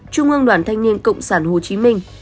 trung ương đoàn thanh niên cộng sản hồ chí minh